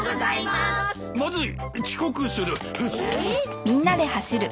まずい遅刻する！